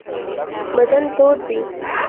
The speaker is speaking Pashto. بدن تود دی.